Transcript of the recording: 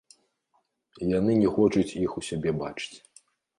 Яны не хочуць іх у сябе бачыць.